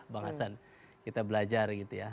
bang hasan kita belajar gitu ya